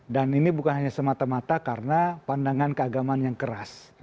dan ini bukan hanya semata mata karena pandangan keagamaan yang keras